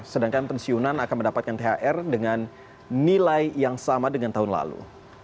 sedangkan pensiunan akan mendapatkan thr dengan nilai yang sama dengan tahun lalu